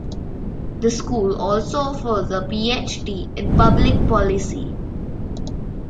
The school also offers a Ph.D. in public policy.